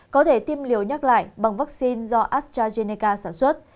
có thể tiêm liều nhắc lại bằng vaccine do astrazeneca sản xuất